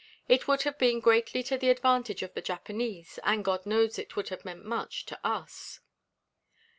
It would have been greatly to the advantage of the Japanese, and God knows it would have meant much to us."